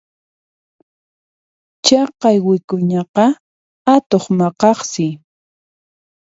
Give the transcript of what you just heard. Chaqay wik'uñaqa atuq maqaqsi.